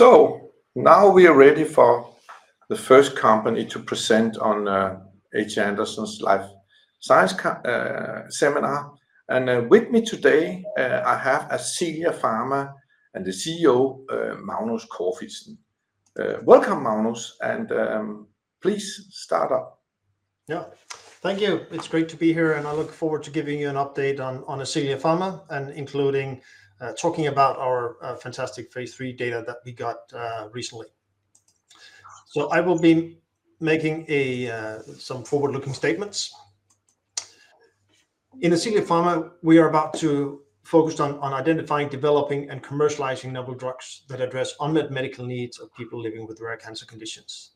Now we are ready for the first company to present on H.C. Andersen's life science seminar. With me today, I have Ascelia Pharma and the CEO, Magnus Corfitzen. Welcome, Magnus, and please start up. Yeah. Thank you. It's great to be here, and I look forward to giving you an update on Ascelia Pharma and including talking about our fantastic phase III data that we got recently. I will be making some forward-looking statements. In Ascelia Pharma, we a biotech focused on identifying, developing, and commercializing novel drugs that address unmet medical needs of people living with rare cancer conditions.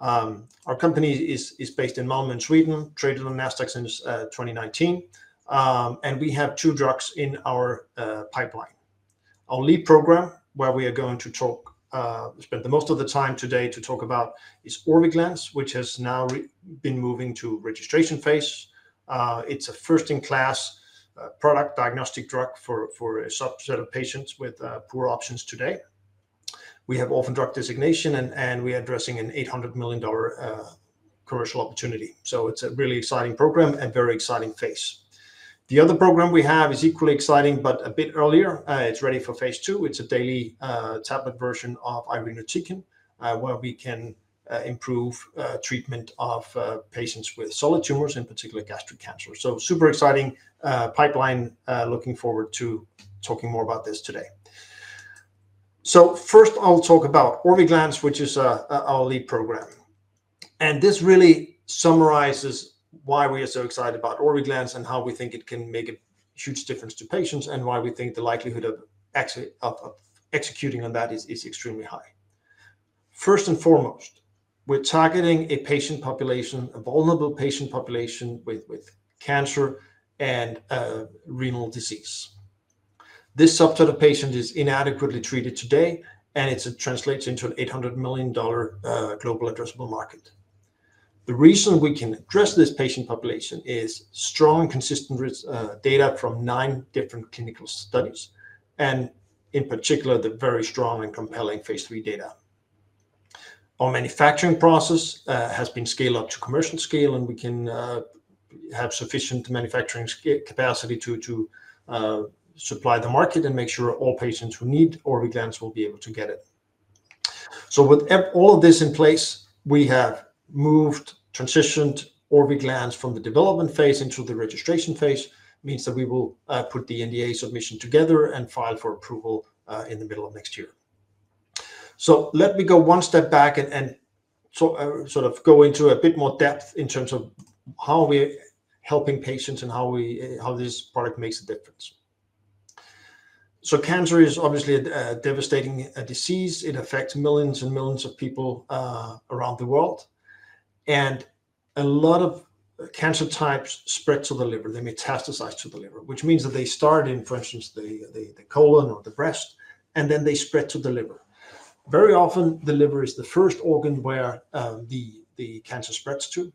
Our company is based in Malmö, in Sweden, traded on Nasdaq since 2019, and we have two drugs in our pipeline. Our lead program, where we are going to talk spend the most of the time today to talk about, is Orviglance, which has now been moving to registration phase. It's a first-in-class oral diagnostic drug for a subset of patients with poor options today. We have Orphan Drug Designation, and we are addressing an $800 million commercial opportunity. So it's a really exciting program and very exciting phase. The other program we have is equally exciting, but a bit earlier. It's ready for phase II. It's a daily tablet version of irinotecan where we can improve treatment of patients with solid tumors, in particular gastric cancer. So super exciting pipeline. Looking forward to talking more about this today. First, I'll talk about Orviglance, which is our lead program, and this really summarizes why we are so excited about Orviglance and how we think it can make a huge difference to patients, and why we think the likelihood of executing on that is extremely high. First and foremost, we're targeting a patient population, a vulnerable patient population, with cancer and renal disease. This subset of patient is inadequately treated today, and it translates into an $800 million global addressable market. The reason we can address this patient population is strong, consistent rich data from 9 different clinical studies, and in particular, the very strong and compelling phase III data. Our manufacturing process has been scaled up to commercial scale, and we can have sufficient manufacturing capacity to supply the market and make sure all patients who need Orviglance will be able to get it. So with all of this in place, we have moved, transitioned Orviglance from the development phase into the registration phase. Means that we will put the NDA submission together and file for approval in the middle of next year. So let me go one step back and sort of go into a bit more depth in terms of how we're helping patients and how we, how this product makes a difference. So cancer is obviously a devastating disease. It affects millions and millions of people around the world, and a lot of cancer types spread to the liver. They metastasize to the liver, which means that they start in, for instance, the colon or the breast, and then they spread to the liver. Very often, the liver is the first organ where the cancer spreads to,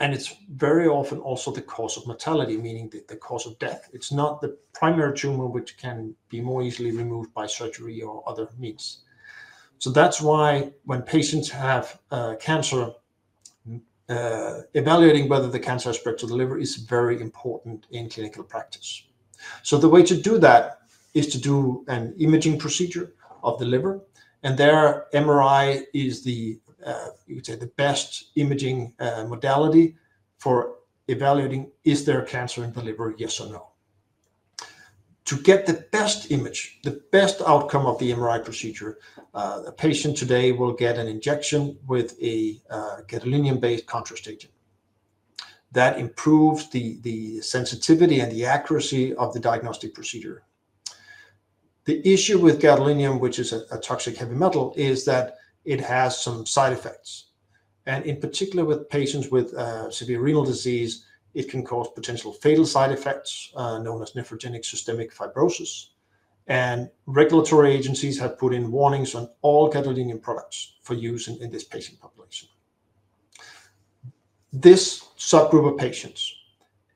and it's very often also the cause of mortality, meaning the cause of death. It's not the primary tumor, which can be more easily removed by surgery or other means. So that's why when patients have cancer, evaluating whether the cancer has spread to the liver is very important in clinical practice. So the way to do that is to do an imaging procedure of the liver, and there MRI is the, you could say, the best imaging modality for evaluating, is there cancer in the liver, yes or no? To get the best image, the best outcome of the MRI procedure, a patient today will get an injection with a gadolinium-based contrast agent. That improves the sensitivity and the accuracy of the diagnostic procedure. The issue with gadolinium, which is a toxic heavy metal, is that it has some side effects, and in particular, with patients with severe renal disease, it can cause potential fatal side effects known as nephrogenic systemic fibrosis. Regulatory agencies have put in warnings on all gadolinium products for use in this patient population. This subgroup of patients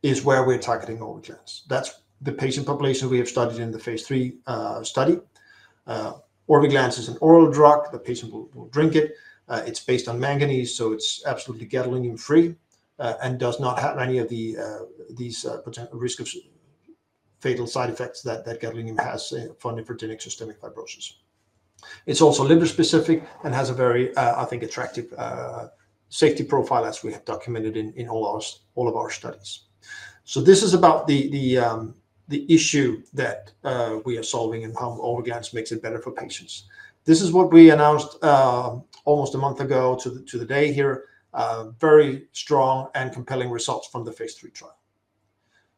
is where we're targeting Orviglance. That's the patient population we have studied in the phase III study. Orviglance is an oral drug. The patient will drink it. It's based on manganese, so it's absolutely gadolinium-free, and does not have any of the, these, potential risk of fatal side effects that gadolinium has for nephrogenic systemic fibrosis. It's also liver-specific and has a very, I think, attractive, safety profile, as we have documented in, in all our all of our studies. So this is about the, the, the issue that, we are solving and how Orviglance makes it better for patients. This is what we announced, almost a month ago to the, to the day here. Very strong and compelling results from the phase III trial.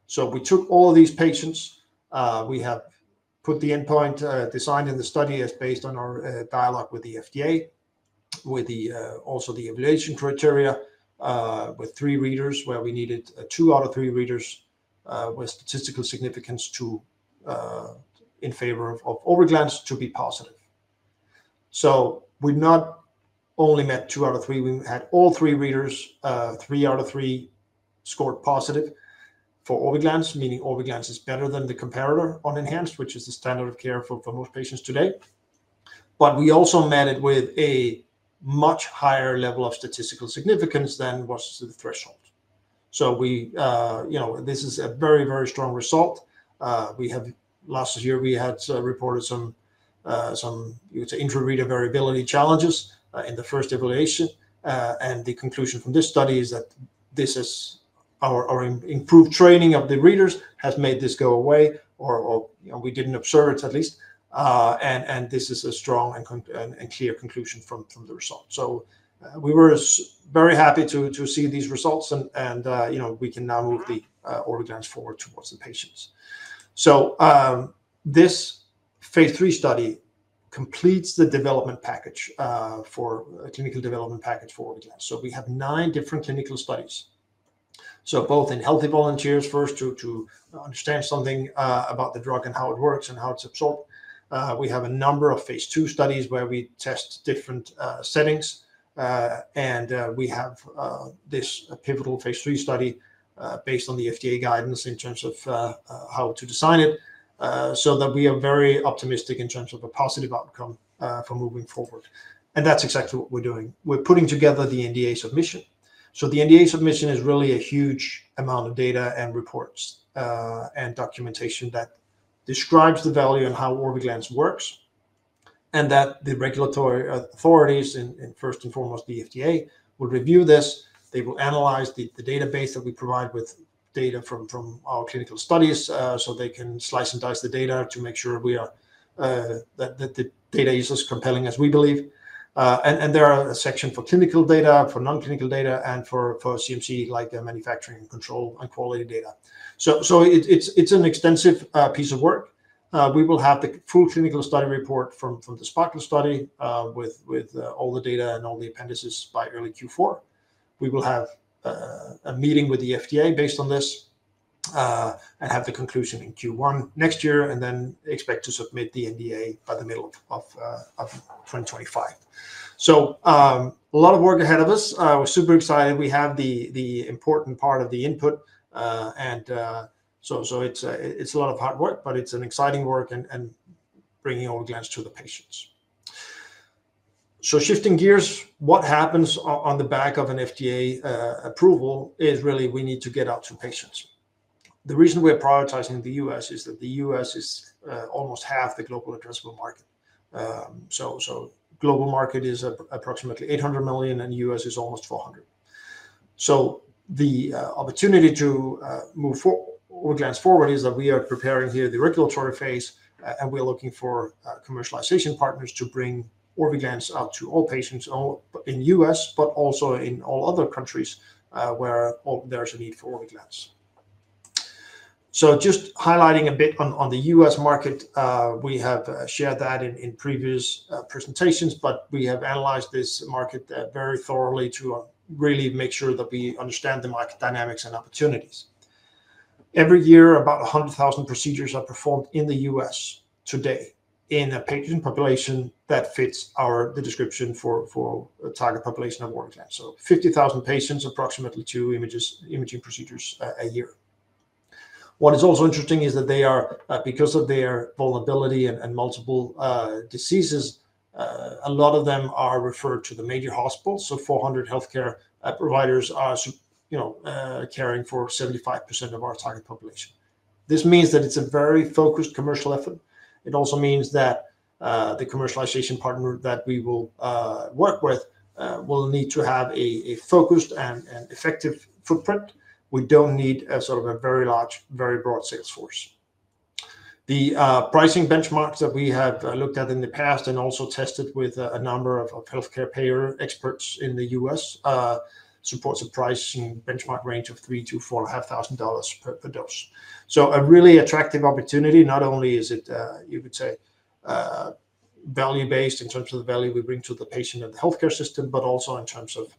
So we took all these patients. We have put the endpoint designed in the study as based on our dialogue with the FDA, with the evaluation criteria with three readers, where we needed two out of three readers with statistical significance to in favor of Orviglance to be positive. So we've not only met two out of three. We had all three readers, three out of three scored positive for Orviglance, meaning Orviglance is better than the comparator unenhanced, which is the standard of care for most patients today. But we also met it with a much higher level of statistical significance than was the threshold. So we, you know, this is a very, very strong result. Last year, we had reported some intra-reader variability challenges in the first evaluation. And the conclusion from this study is that this is our improved training of the readers has made this go away, or you know, we didn't observe it at least. And this is a strong and clear conclusion from the results. So, we were very happy to see these results, and you know, we can now move the Orviglance forward towards the patients. So, this phase III study completes the development package for clinical development package for Orviglance. So we have nine different clinical studies. So both in healthy volunteers, first to understand something about the drug and how it works and how it's absorbed. We have a number of phase II studies where we test different settings, and we have this pivotal phase III study based on the FDA guidance in terms of how to design it, so that we are very optimistic in terms of a positive outcome for moving forward. And that's exactly what we're doing. We're putting together the NDA submission. So the NDA submission is really a huge amount of data and reports, and documentation that describes the value and how Orviglance works, and that the regulatory authorities, and first and foremost, the FDA, will review this. They will analyze the database that we provide with data from our clinical studies, so they can slice and dice the data to make sure that the data is as compelling as we believe. And there are a section for clinical data, for non-clinical data, and for CMC, like the manufacturing control and quality data. So it's an extensive piece of work. We will have the full clinical study report from the SPARKLE study, with all the data and all the appendices by early Q4. We will have a meeting with the FDA based on this, and have the conclusion in Q1 next year, and then expect to submit the NDA by the middle of 2025. So, a lot of work ahead of us. We're super excited. We have the important part of the input, and so it's a lot of hard work, but it's an exciting work and bringing Orviglance to the patients. So shifting gears, what happens on the back of an FDA approval is really we need to get out to patients. The reason we're prioritizing the U.S. is that the U.S. is almost half the global addressable market. So global market is approximately $800 million, and U.S. is almost $400 million. So the opportunity to move Orviglance forward is that we are preparing here the regulatory phase, and we're looking for commercialization partners to bring Orviglance out to all patients, all in U.S., but also in all other countries where there's a need for Orviglance. So just highlighting a bit on the U.S. market, we have shared that in previous presentations, but we have analyzed this market very thoroughly to really make sure that we understand the market dynamics and opportunities. Every year, about 100,000 procedures are performed in the U.S. today in a patient population that fits our the description for a target population of Orviglance. So 50,000 patients, approximately two imaging procedures a year. What is also interesting is that they are because of their vulnerability and multiple diseases a lot of them are referred to the major hospitals. So 400 healthcare providers are, you know, caring for 75% of our target population. This means that it's a very focused commercial effort. It also means that the commercialization partner that we will work with will need to have a focused and effective footprint. We don't need a sort of a very large, very broad sales force. The pricing benchmarks that we have looked at in the past and also tested with a number of healthcare payer experts in the U.S. supports a pricing benchmark range of $3,000-$4,500 per dose. So a really attractive opportunity. Not only is it you could say value-based in terms of the value we bring to the patient and the healthcare system, but also in terms of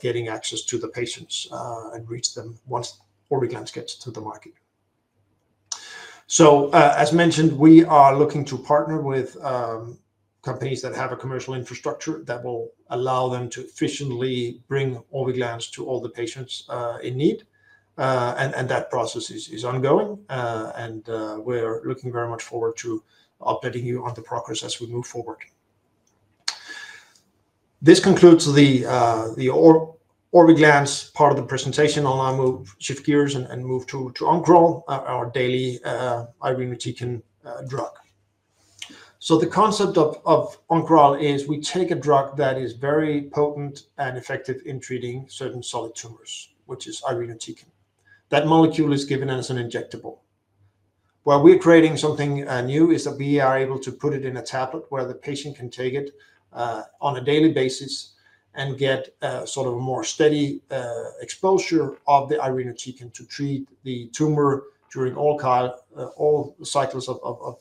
getting access to the patients and reach them once Orviglance gets to the market. So, as mentioned, we are looking to partner with, companies that have a commercial infrastructure that will allow them to efficiently bring Orviglance to all the patients, in need. And that process is ongoing. And we're looking very much forward to updating you on the progress as we move forward. This concludes the Orviglance part of the presentation, and I'll move, shift gears and move to Oncoral, our daily irinotecan drug. So the concept of Oncoral is we take a drug that is very potent and effective in treating certain solid tumors, which is irinotecan. That molecule is given as an injectable. Where we're creating something new is that we are able to put it in a tablet where the patient can take it on a daily basis and get sort of a more steady exposure of the irinotecan to treat the tumor during all cycles of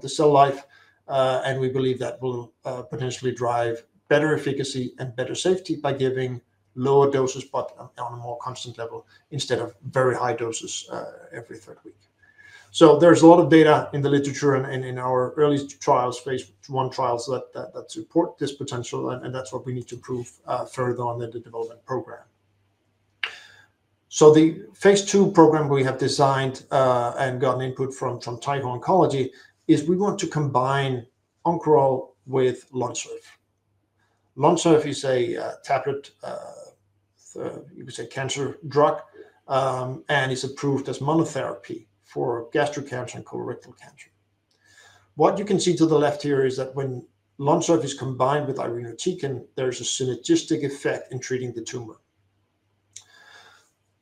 the cell life. And we believe that will potentially drive better efficacy and better safety by giving lower doses, but on a more constant level instead of very high doses every third week. So there's a lot of data in the literature and in our early trials, phase I trials, that support this potential, and that's what we need to prove further on in the development program. So the phase II program we have designed, and gotten input from, from Taiho Oncology, is we want to combine Oncoral with Lonsurf. Lonsurf is a tablet, you could say cancer drug, and it's approved as monotherapy for gastric cancer and colorectal cancer. What you can see to the left here is that when Lonsurf is combined with Irinotecan, there's a synergistic effect in treating the tumor.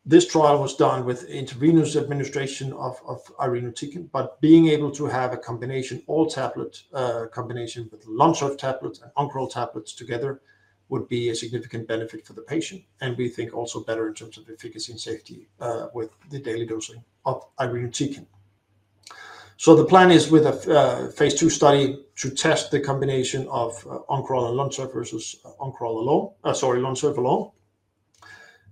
This trial was done with intravenous administration of Irinotecan, but being able to have a combination, all-tablet combination with Lonsurf tablets and Oncoral tablets together would be a significant benefit for the patient, and we think also better in terms of efficacy and safety, with the daily dosing of Irinotecan. So the plan is, with a phase II study, to test the combination of Oncoral and Lonsurf versus Oncoral alone. Sorry, Lonsurf alone.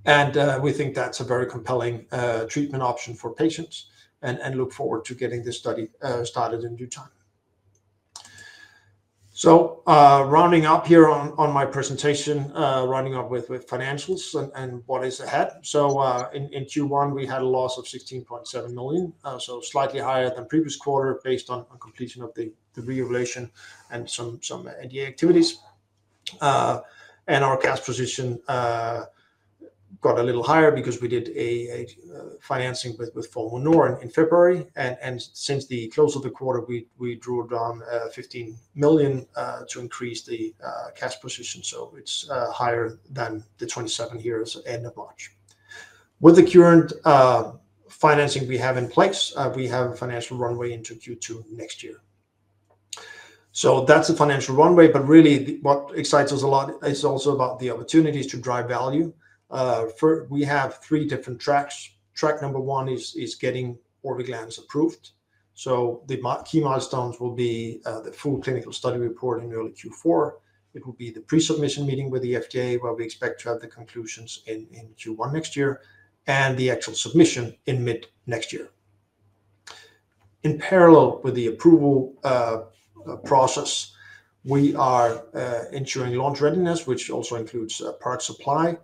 We think that's a very compelling treatment option for patients and look forward to getting this study started in due time. So, rounding up here on my presentation, rounding up with financials and what is ahead. So, in Q1, we had a loss of 16.7 million, so slightly higher than previous quarter based on the completion of the reevaluation and some NDA activities. And, our cash position got a little higher because we did a financing with Formue Nord in February. And, since the close of the quarter, we drew down 15 million to increase the cash position, so it's higher than the 27 million here at end of March. With the current financing we have in place, we have a financial runway into Q2 next year. So that's the financial runway, but really, what excites us a lot is also about the opportunities to drive value. First, we have three different tracks. Track number one is getting Orviglance approved, so the key milestones will be the full clinical study report in early Q4. It will be the pre-submission meeting with the FDA, where we expect to have the conclusions in Q1 next year, and the actual submission in mid next year. In parallel with the approval process, we are ensuring launch readiness, which also includes product supply,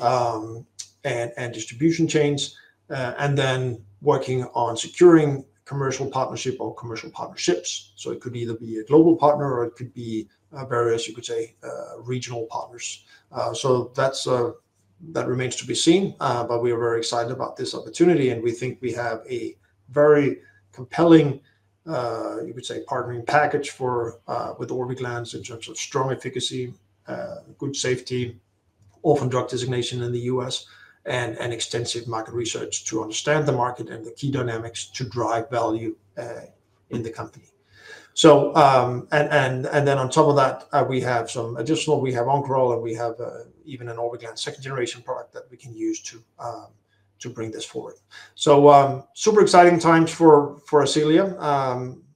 and distribution chains, and then working on securing commercial partnership or commercial partnerships. So it could either be a global partner, or it could be various, you could say, regional partners. So that's that remains to be seen, but we are very excited about this opportunity, and we think we have a very compelling, you could say, partnering package for with Orviglance in terms of strong efficacy, good safety, Orphan Drug Designation in the U.S., and extensive market research to understand the market and the key dynamics to drive value in the company. So, and then on top of that, we have some additional, we have Oncoral, and we have even an Orviglance second-generation product that we can use to bring this forward. Super exciting times for Ascelia,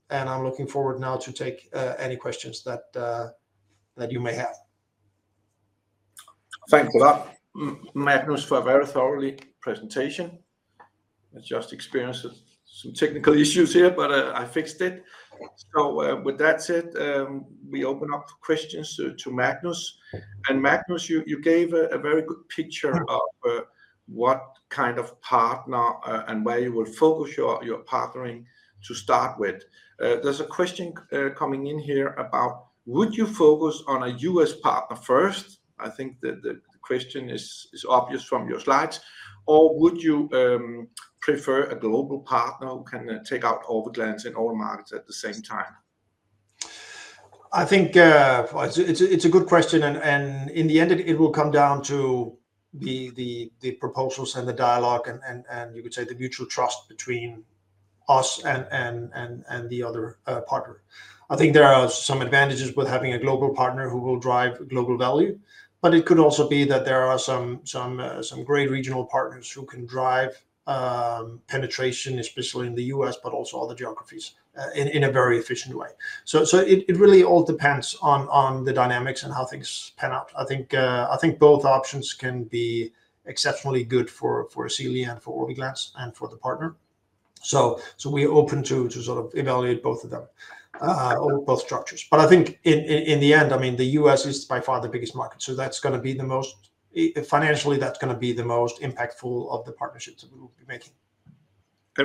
and I'm looking forward now to take any questions that you may have. Thanks a lot, Magnus, for a very thorough presentation. I just experienced some technical issues here, but I fixed it. So, with that said, we open up for questions to Magnus. And Magnus, you gave a very good picture- Mm-hmm.... of what kind of partner and where you will focus your partnering to start with. There's a question coming in here about would you focus on a U.S. partner first? I think the question is obvious from your slides. Or would you prefer a global partner who can take out Orviglance in all markets at the same time? I think it's a good question, and in the end, it will come down to the proposals and the dialogue and you could say the mutual trust between us and the other partner. I think there are some advantages with having a global partner who will drive global value, but it could also be that there are some great regional partners who can drive penetration, especially in the U.S., but also other geographies in a very efficient way. So it really all depends on the dynamics and how things pan out. I think both options can be exceptionally good for Ascelia and for Orviglance and for the partner. So we're open to sort of evaluate both of them or both structures. But I think in the end, I mean, the U.S. is by far the biggest market, so that's gonna be the most... Financially, that's gonna be the most impactful of the partnerships that we will be making.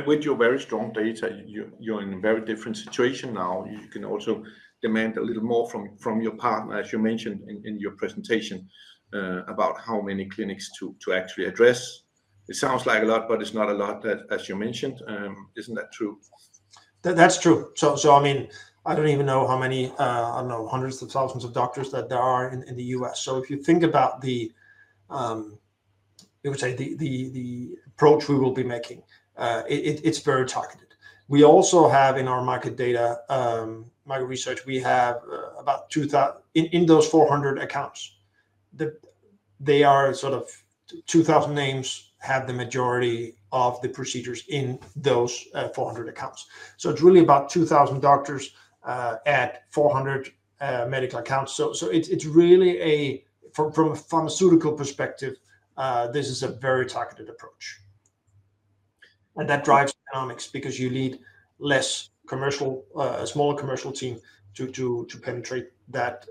With your very strong data, you're in a very different situation now. You can also demand a little more from your partner, as you mentioned in your presentation about how many clinics to actually address. It sounds like a lot, but it's not a lot, as you mentioned. Isn't that true? That's true. So, I mean, I don't even know how many, I don't know, hundreds of thousands of doctors that there are in the U.S. So if you think about the, you could say, the approach we will be making, it's very targeted. We also have in our market data, market research, we have about 2,000 in those 400 accounts, they are sort of 2,000 names, have the majority of the procedures in those 400 accounts. So it's really about 2,000 doctors at 400 medical accounts. So it's really, from a pharmaceutical perspective, this is a very targeted approach. And that drives economics, because you need less commercial, a smaller commercial team to penetrate that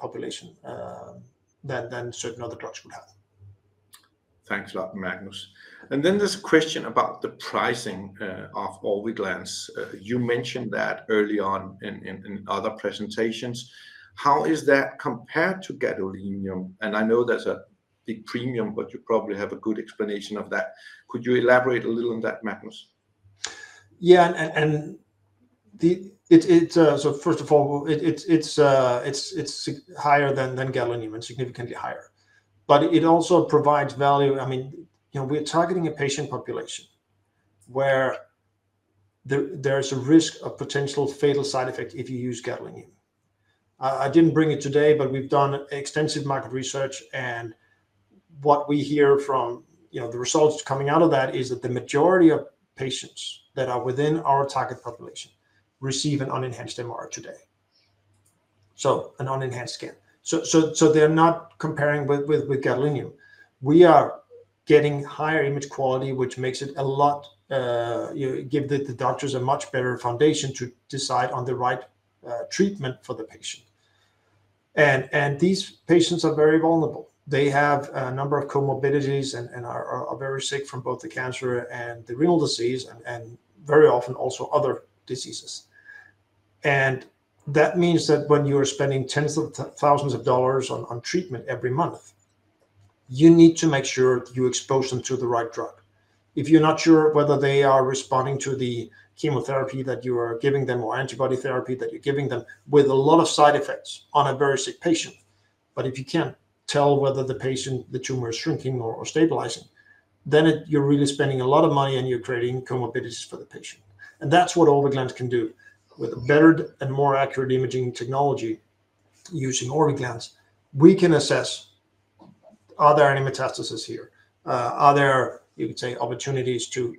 population, than certain other drugs would have. Thanks a lot, Magnus. And then this question about the pricing of Orviglance. You mentioned that early on in other presentations. How is that compared to gadolinium? And I know there's a big premium, but you probably have a good explanation of that. Could you elaborate a little on that, Magnus? Yeah, so first of all, it's higher than gadolinium, and significantly higher. But it also provides value. I mean, you know, we're targeting a patient population where there's a risk of potential fatal side effect if you use gadolinium. I didn't bring it today, but we've done extensive market research, and what we hear from, you know, the results coming out of that, is that the majority of patients that are within our target population receive an unenhanced MR today. So, an unenhanced scan. So, they're not comparing with gadolinium. We are getting higher image quality, which makes it a lot, you give the doctors a much better foundation to decide on the right treatment for the patient. And these patients are very vulnerable. They have a number of comorbidities and are very sick from both the cancer and the renal disease, and very often also other diseases. That means that when you are spending tens of thousands of dollars on treatment every month, you need to make sure you expose them to the right drug. If you're not sure whether they are responding to the chemotherapy that you are giving them, or antibody therapy that you're giving them, with a lot of side effects on a very sick patient, but if you can't tell whether the patient, the tumor is shrinking or stabilizing, then you're really spending a lot of money, and you're creating comorbidities for the patient. That's what Orviglance can do. With a better and more accurate imaging technology, using Orviglance, we can assess, are there any metastasis here? Are there, you could say, opportunities to,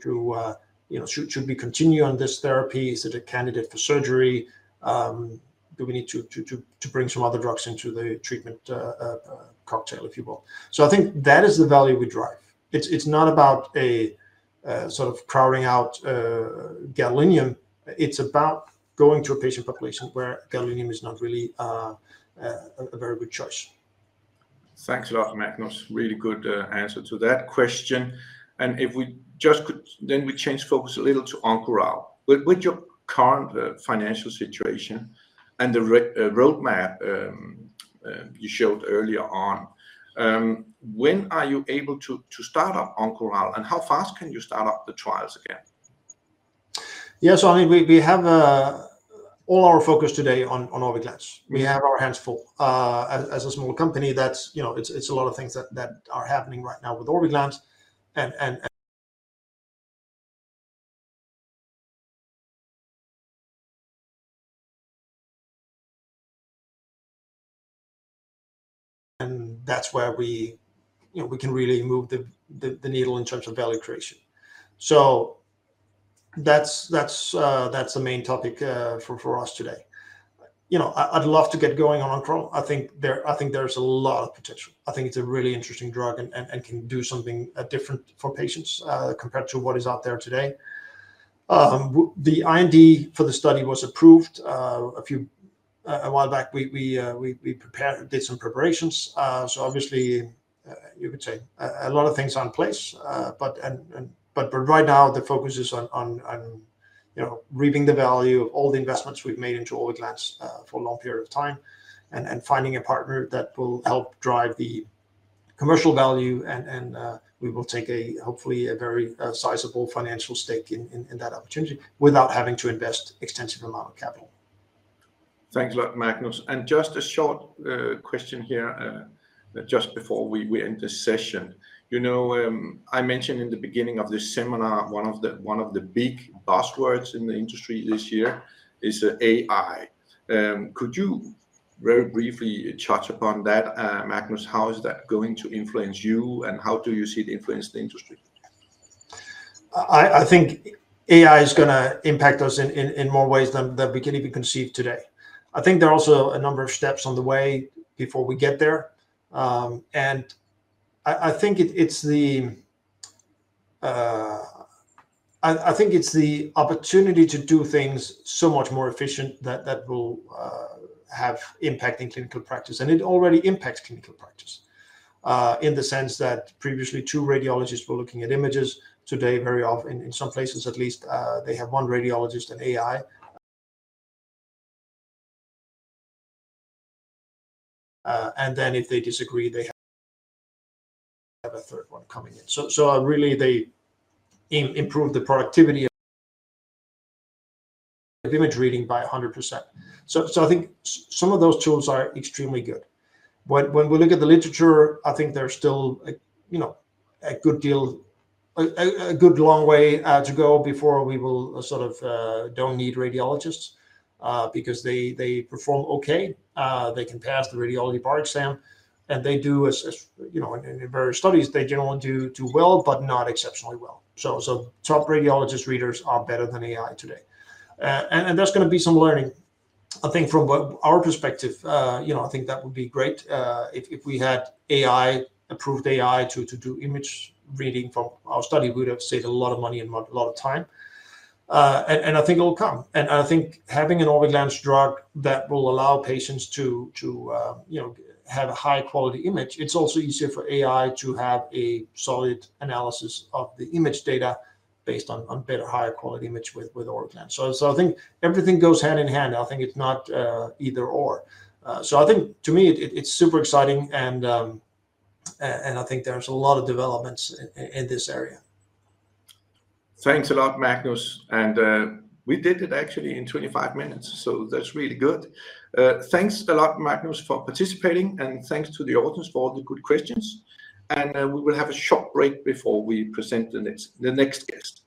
you know, should we continue on this therapy? Is it a candidate for surgery? Do we need to bring some other drugs into the treatment cocktail, if you will? So I think that is the value we drive. It's not about a sort of crowding out gadolinium. It's about going to a patient population where gadolinium is not really a very good choice. Thanks a lot, Magnus. Really good answer to that question. And if we just could then we change focus a little to Oncoral. With your current financial situation and the roadmap you showed earlier on, when are you able to start up Oncoral, and how fast can you start up the trials again? Yeah, so I mean, we have all our focus today on Orviglance. We have our hands full. As a small company, that's, you know, it's a lot of things that are happening right now with Orviglance. And that's where we, you know, we can really move the needle in terms of value creation. So that's the main topic for us today. You know, I'd love to get going on Oncoral. I think there's a lot of potential. I think it's a really interesting drug and can do something different for patients compared to what is out there today. The IND for the study was approved a while back. We prepared... did some preparations. So obviously, you could say, a lot of things are in place. But right now the focus is on, you know, reaping the value of all the investments we've made into Orviglance, for a long period of time, and finding a partner that will help drive the commercial value. And we will take hopefully a very sizable financial stake in that opportunity, without having to invest extensive amount of capital. Thanks a lot, Magnus. Just a short question here, just before we end this session. You know, I mentioned in the beginning of this seminar, one of the big buzzwords in the industry this year is AI. Could you very briefly touch upon that, Magnus? How is that going to influence you, and how do you see it influence the industry? I think AI is gonna impact us in more ways than we can even conceive today. I think there are also a number of steps on the way before we get there. And I think it's the opportunity to do things so much more efficient that will have impact in clinical practice. And it already impacts clinical practice in the sense that previously two radiologists were looking at images. Today, very often, in some places at least, they have one radiologist and AI. And then if they disagree, they have a third one coming in. So really, they improve the productivity of image reading by 100%. So I think some of those tools are extremely good. When we look at the literature, I think there's still, you know, a good deal, a good long way to go before we will sort of don't need radiologists. Because they perform okay, they can pass the radiology bar exam, and they do, you know, in various studies, they generally do well, but not exceptionally well. So top radiologist readers are better than AI today. And there's gonna be some learning. I think from our perspective, you know, I think that would be great, if we had AI, approved AI to do image reading from our study, we'd have saved a lot of money and a lot of time. And I think it will come. I think having an Orviglance drug that will allow patients to you know have a high-quality image. It's also easier for AI to have a solid analysis of the image data based on better higher quality image with Orviglance. So I think everything goes hand in hand. I think it's not either/or. So I think to me it's super exciting and I think there's a lot of developments in this area. Thanks a lot, Magnus, and, we did it actually in 25 minutes, so that's really good. Thanks a lot, Magnus, for participating, and thanks to the audience for all the good questions. And, we will have a short break before we present the next guest.